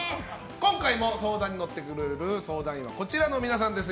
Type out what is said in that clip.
今回も相談に乗ってくれる相談員はこちらの皆さんです。